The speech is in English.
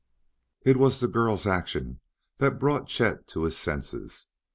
It was the girl's action that brought Chet to his senses.